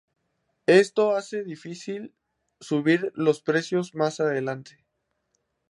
Esto hace difícil el subir los precios más adelante.